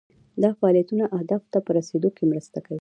دا فعالیتونه اهدافو ته په رسیدو کې مرسته کوي.